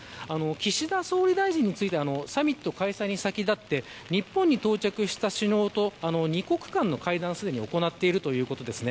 岸田総理大臣についてサミット開催に先立って日本に到着した首脳と二国間の会談をすでに行っているということです。